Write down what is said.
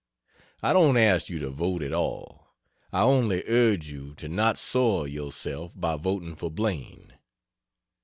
I don't ask you to vote at all I only urge you to not soil yourself by voting for Blaine.